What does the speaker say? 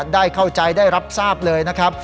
ได้เข้าใจได้รับทราบเลยนะครับ